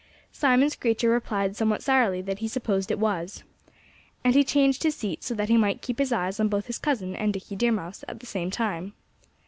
Simon Screecher replied somewhat sourly that he supposed it was. And he changed his seat, so that he might keep his eyes on both his cousin and Dickie Deer Mouse at the same time.